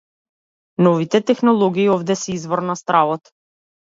Новите технологии овде се извор на стравот.